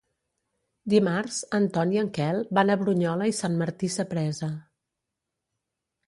Dimarts en Ton i en Quel van a Brunyola i Sant Martí Sapresa.